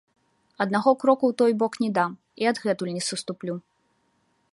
Аднаго кроку ў той бок не дам і адгэтуль не саступлю.